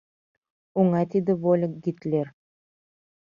Оҥай тиде вольык — Гитлер.